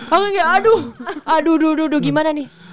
aku kayak aduh aduh aduh aduh gimana nih